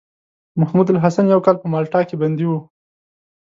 محمودالحسن يو کال په مالټا کې بندي وو.